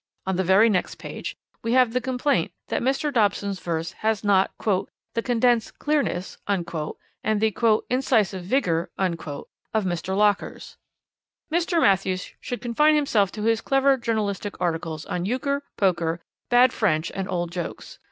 On the very next page we have the complaint that Mr. Dobson's verse has not 'the condensed clearness' and the 'incisive vigor' of Mr. Locker's. Mr. Matthews should confine himself to his clever journalistic articles on Euchre, Poker, bad French and old jokes.